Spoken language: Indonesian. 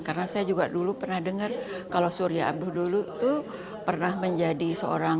karena saya juga dulu pernah dengar kalau surya abdul dulu itu pernah menjadi seorang